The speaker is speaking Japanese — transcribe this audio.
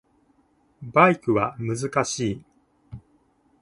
バイクは難しい